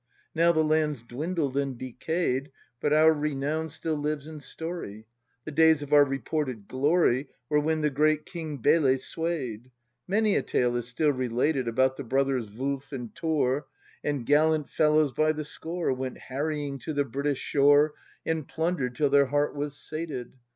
Now the land's dwindled and decay 'd. But our renown still lives in story. The days of our reported glory Were when the great King Bele sway'd. Many a tale is still related About the brothers Wulf and Thor, And gallant fellows by the score. Went harrying to the British shore. And plunder'd till their heart was sated.